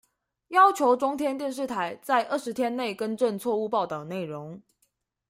要求中天電視台在二十天內更正錯誤報導內容